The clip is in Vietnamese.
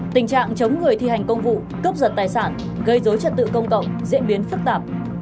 tình trạng chống người thi hành công vụ cướp giật tài sản gây dối trật tự công cộng diễn biến phức tạp